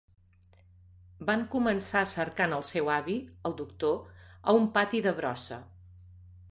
Van començar cercant el seu avi, el Doctor, a un pati de brossa.